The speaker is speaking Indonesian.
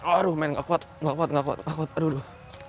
aduh men nggak kuat nggak kuat nggak kuat aduh